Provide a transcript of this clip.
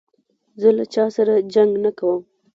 زه له چا سره جنګ نه کوم.